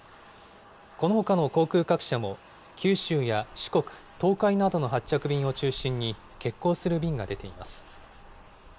このほかの航空各社も九州や四国東海などの発着便を中心に欠航する便が出ています。